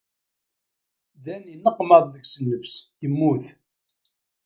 Dan yenneqmaḍ deg-s nnefs, yemmut.